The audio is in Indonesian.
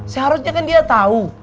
seharusnya kan dia tau